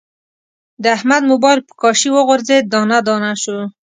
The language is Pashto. د احمد مبایل په کاشي و غورځید، دانه دانه شو.